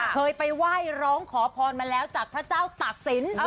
เคยไปไหว้ร้องขอพรมาแล้วจากพระเจ้าตากศิลป์